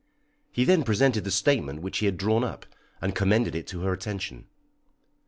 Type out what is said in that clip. He then presented the statement which he had drawn up, and commended it to her attention.